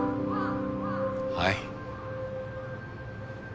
はい。